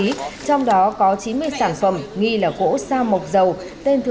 trong đó có chín mươi sản phẩm nghi là gỗ sao mộc dầu